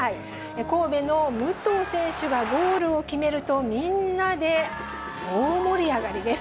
神戸の武藤選手がゴールを決めると、みんなで大盛り上がりです。